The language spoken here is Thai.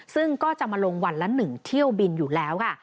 ซึ่งก็จะมาลงวันละ๑เที่ยวบินอยู่แล้วค่ะ